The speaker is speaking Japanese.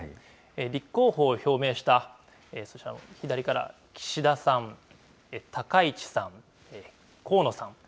立候補を表明したそちらの左から岸田さん、高市さん、河野さん。